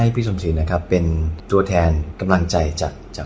แล้ววันนี้ผมมีสิ่งหนึ่งนะครับเป็นตัวแทนกำลังใจจากผมเล็กน้อยครับ